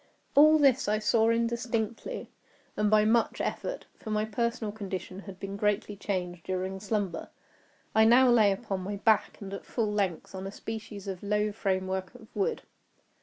All this I saw indistinctly and by much effort—for my personal condition had been greatly changed during slumber. I now lay upon my back, and at full length, on a species of low framework of wood.